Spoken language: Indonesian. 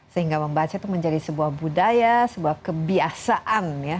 sehingga membaca itu menjadi sebuah budaya sebuah kebiasaan ya